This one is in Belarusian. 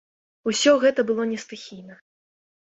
Усе гэта было не стыхійна.